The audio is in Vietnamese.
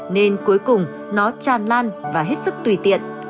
nên cuối cùng nó tràn lan và hết sáng